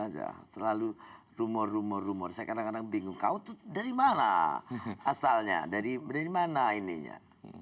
aja selalu rumor rumor rumor saya kadang kadang bingung kau itu dari mana asalnya dari mana ininya